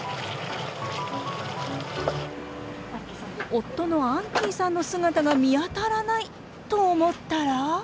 夫のアンキーさんの姿が見当たらないと思ったら。